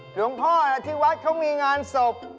หลวงพ่อที่วัดเขามีงานศพ